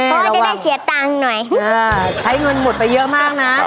เพราะว่าจะได้เสียตังค์หน่อยใช้เงินหมดไปเยอะมากนะ